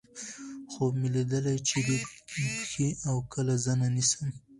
خوب مې ليدلے چې دې پښې اؤ کله زنه نيسم